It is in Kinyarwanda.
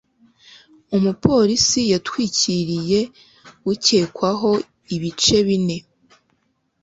umupolisi yatwikiriye ukekwaho ibice bine